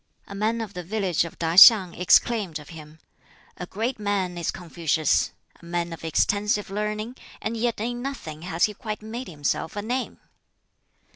A man of the village of Tah hiang exclaimed of him, "A great man is Confucius! a man of extensive learning, and yet in nothing has he quite made himself a name!"